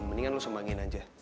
mendingan lu sembangin aja